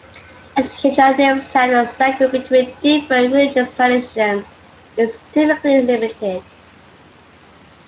Exchange of names held sacred between different religious traditions is typically limited.